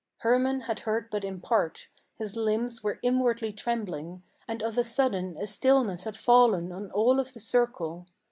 Hermann had heard but in part; his limbs were inwardly trembling, And of a sudden a stillness had fallen on all of the circle.